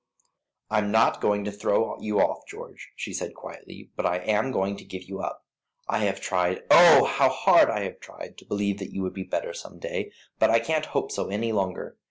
"I am not going to throw you off, George," she said, quietly; "but I am going to give you up. I have tried, oh! how hard I have tried, to believe that you would be better some day, but I can't hope so any longer.